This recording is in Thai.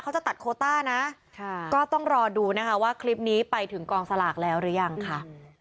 จะตัดโคต้านะก็ต้องรอดูนะคะว่าคลิปนี้ไปถึงกองสลากแล้วหรือยังค่ะ